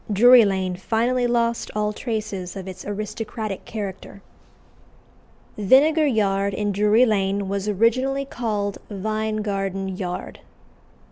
Drury Lane finally lost all traces of its aristocratic character. Vinegar Yard, in Drury Lane, was originally called Vine Garden Yard.